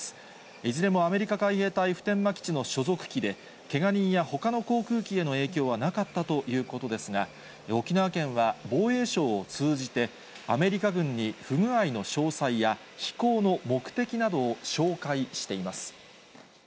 いずれもアメリカ海兵隊普天間基地の所属機で、けが人やほかの航空機への影響はなかったということですが、沖縄県は防衛省を通じて、飛行の目的などを照会しています。